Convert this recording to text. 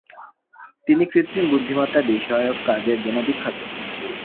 তিনি কৃত্রিম বুদ্ধিমত্তা বিষয়ক কাজের জন্য বিখ্যাত।